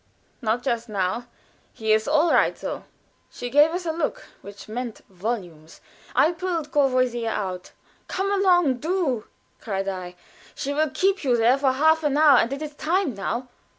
"Not just now. He is all right, though." She gave us a look which meant volumes. I pulled Courvoisier out. "Come along, do!" cried I. "She will keep you there for half an hour, and it is time now."